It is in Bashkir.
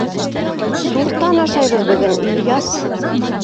— Суртан ашайбыҙ бөгөн, Ильяс!